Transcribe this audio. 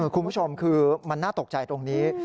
คุณผู้ชมคือมันน่าตกใจตรงนี้